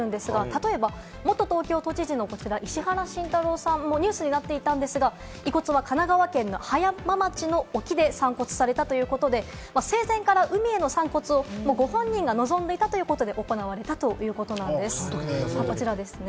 例えば、元東京都知事の石原慎太郎さん、ニュースになっていたんですが、遺骨は神奈川県の葉山町沖で散骨れたということで生前から海への散骨を本人が望んでいたということで、行われたということです。